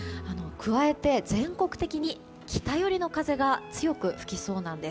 加えて、全国的に北寄りの風が強く吹きそうです。